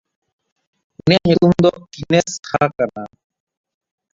ᱩᱱᱤᱭᱟᱜ ᱧᱩᱛᱩᱢ ᱫᱚ ᱠᱤᱱᱮᱥᱦᱟ ᱠᱟᱱᱟ᱾